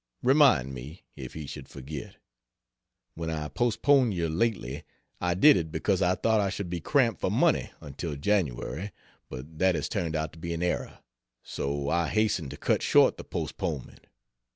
Remind me, if he should forget. When I postponed you lately, I did it because I thought I should be cramped for money until January, but that has turned out to be an error, so I hasten to cut short the postponement.